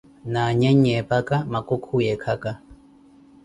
Na anyanyi eepaka, makukhuwi eekaka.